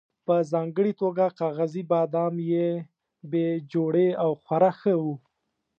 په ځانګړې توګه کاغذي بادام یې بې جوړې او خورا ښه وو.